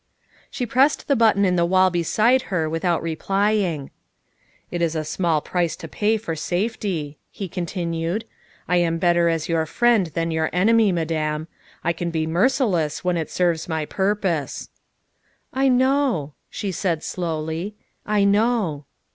She pressed the button in the wall beside her without replying. " It is a small price to pay for safety, '' he continued. " I am better as your friend than your enemy, Madame. I can be merciless when it serves my purpose." " I know," she said slowly, " I know."